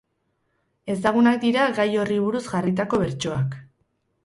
Ezagunak dira gai horri buruz jarritako bertsoak.